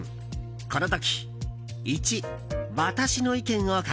この時。